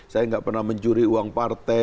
saya nggak pernah mencuri uang partai